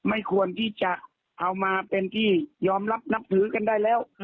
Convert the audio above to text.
ไม่ควรที่จะเอามาเป็นที่ยอมรับนับถือกันได้แล้ว